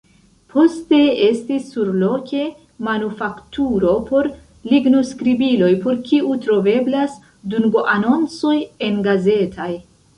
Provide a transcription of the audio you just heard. Poste estis surloke manufakturo por lignoskribiloj por kiu troveblas dungoanoncoj engazetaj.